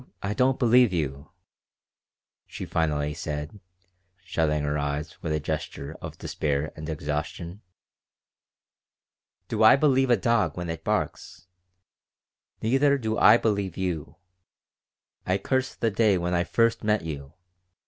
I don't believe you," she finally said, shutting her eyes with a gesture of despair and exhaustion. "Do I believe a dog when it barks? Neither do I believe you. I curse the day when I first met you.